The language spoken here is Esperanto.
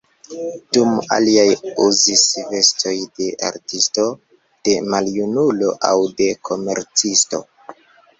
Dum aliaj uzis vestojn de artisto, de maljunulo aŭ de komercisto.